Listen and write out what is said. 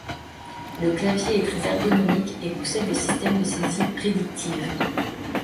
Le clavier est très ergonomique et possède le système de saisie prédictive.